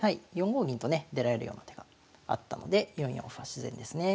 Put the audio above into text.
４五銀とね出られるような手があったので４四歩は自然ですね。